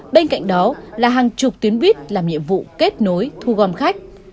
bên cạnh đó là hàng chục tuyến buýt làm nhiệm vụ kết nối thu gom khách